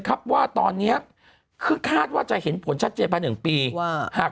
ครับว่าตอนเนี้ยคือคาดว่าจะเห็นผลชัดเจนภายหนึ่งปีว่าหาก